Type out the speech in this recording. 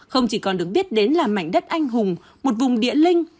không chỉ còn được biết đến là mảnh đất anh hùng một vùng địa linh